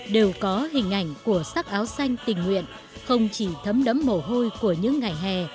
đều có hình ảnh của sắc áo xanh tình nguyện không chỉ thấm đẫm mồ hôi của những ngày hè